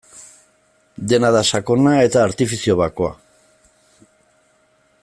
Dena da sakona eta artifizio bakoa.